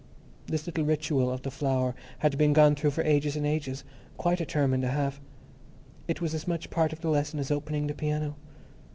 This little ritual of the flower had been gone through for ages and ages, quite a term and a half. It was as much part of the lesson as opening the piano.